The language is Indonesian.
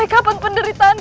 ia bukan neraka bunda